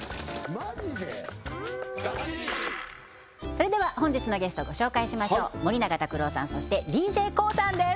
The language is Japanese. それでは本日のゲストご紹介しましょう森永卓郎さんそしてＤＪＫＯＯさんです